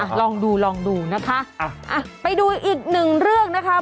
ลองดูลองดูนะคะอ่ะไปดูอีกหนึ่งเรื่องนะคะ